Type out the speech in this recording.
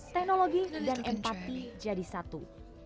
teknologi dan empati jadi satu